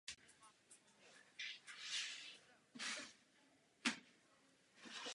Takové využití je však spíše ojedinělé.